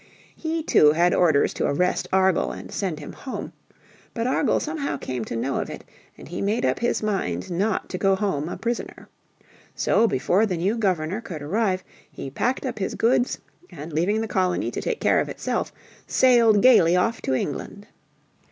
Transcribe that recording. He, too, had orders to arrest Argall and send him home. But Argall somehow came to know of it, and he made up his mind not to go home a prisoner. So before the new Governor could arrive he packed up his goods, and leaving the colony to take care of itself, sailed gaily off to England.